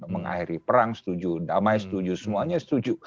mengakhiri perang setuju damai setuju semuanya setuju